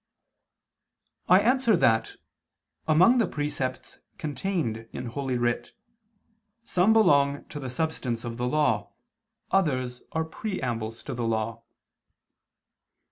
I answer that, Among the precepts contained in Holy Writ, some belong to the substance of the Law, others are preambles to the Law.